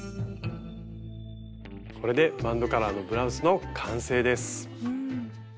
これでバンドカラーのブラウスの完成です。